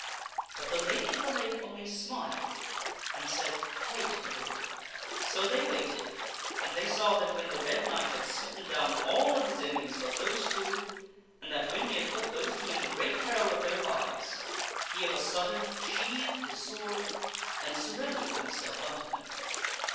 But the Lady of the Lake only smiled and said, " Wait a little." So they waited and they saw that when the Red Knight had smitten down all of his enemies but those two, and that when he had put those two in great peril of their lives, he of a sudden sheathed his sword and surrendered himself unto them.